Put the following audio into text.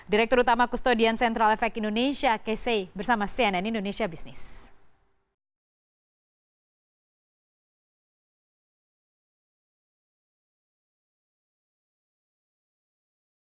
direktur utama kustodian central efek indonesia kc bersama cnn indonesia business